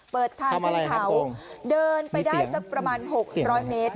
เปิดทางขึ้นเขาเดินไปได้สักประมาณ๖๐๐เมตร